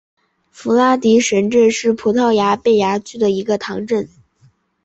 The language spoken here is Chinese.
弗拉迪什镇是葡萄牙贝雅区的一个堂区。